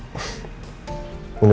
ini udah dua kalinya